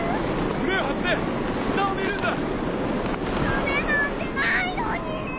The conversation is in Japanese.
胸なんてないのに！